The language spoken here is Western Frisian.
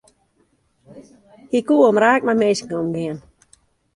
Hy koe omraak mei minsken omgean.